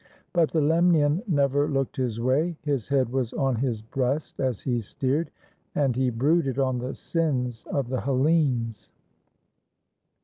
But the Lemnian never looked his way. His head was on his breast as he steered, and he brooded on the sins of the Hellenes.